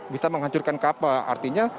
bisa menghancurkan kapal artinya